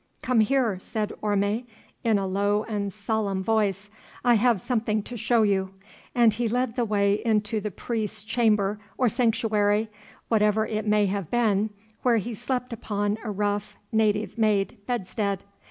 "Come here," said Orme, in a low and solemn voice, "I have something to show you," and he led the way into the priest's chamber, or sanctuary, whatever it may have been, where he slept upon a rough, native made bedstead.